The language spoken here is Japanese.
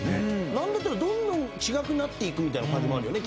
なんだったらどんどん違くなっていくみたいな感じもあるよね